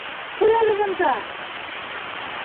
Ҡуй әле бында!